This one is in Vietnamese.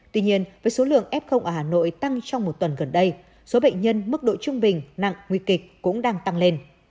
tuy nhiên với số lượng f ở hà nội tăng trong một tuần gần đây số bệnh nhân mức độ trung bình nặng nguy kịch cũng đang tăng lên